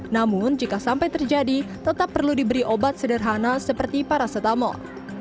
namun jika sampai terjadi tetap perlu diberi obat sederhana seperti paracetamol